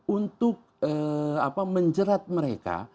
untuk menjerat mereka